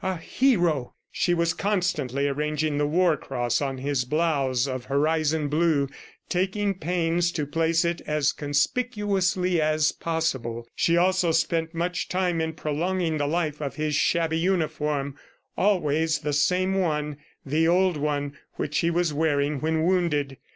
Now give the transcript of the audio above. . a hero!" She was constantly arranging the war cross on his blouse of "horizon blue," taking pains to place it as conspicuously as possible. She also spent much time in prolonging the life of his shabby uniform always the same one, the old one which he was wearing when wounded.